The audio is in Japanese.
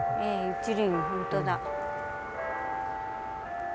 １輪本当だ。